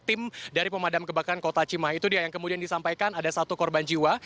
tim dari pemadam kebakaran kota cimahi itu dia yang kemudian disampaikan ada satu korban jiwa